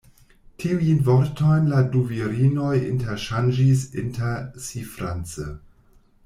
Tiujn vortojn la du virinoj interŝanĝis inter si france.